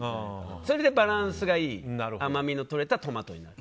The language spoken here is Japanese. それでバランスがいい甘みのとれたトマトになる。